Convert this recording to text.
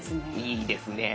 いいですねえ。